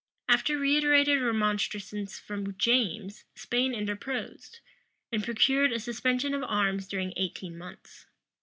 After reiterated remonstrances from James, Spain interposed, and procured a suspension of arms during eighteen months.